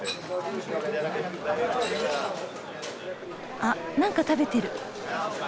あ何か食べてる。